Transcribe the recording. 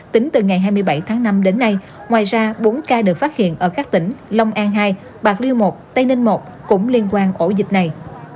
tính từ ngày hai mươi bảy tháng năm đến nay ngoài ra bốn ca được phát hiện ở các tỉnh long an hai bạc liêu một tây ninh một cũng liên quan ổ dịch này